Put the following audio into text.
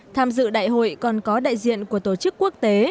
tham dự đại hội còn có đại diện của tổ chức quốc tế